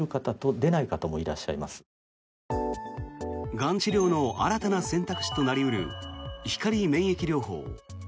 がん治療の新たな選択肢となり得る光免疫療法。